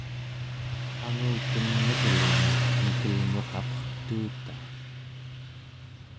angutem enirluni mikelnguq apertuutaa